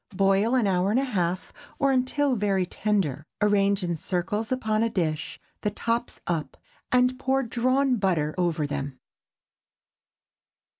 Boil an hour and a half, or until very tender. Arrange in circles upon a dish, the tops up, and pour drawn butter over them.